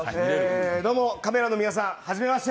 どうもカメラの皆さんはじめまして。